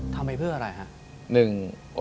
ทำไปเพื่ออะไรครับ